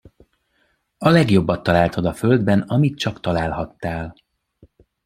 A legjobbat találtad a földben, amit csak találhattál!